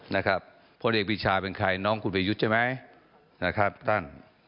นะครับผลเอกบิชาเป็นใครน้องขุดเวยุทธ์ใช่ไหมนะครับท่าน